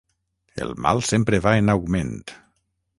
El mal sempre va en augment.